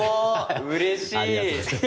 うれしい！